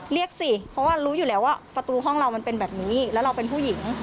เรียกสิเพราะว่ารู้อยู่แล้วว่าประตูห้องเรามันเป็นแบบนี้แล้วเราเป็นผู้หญิง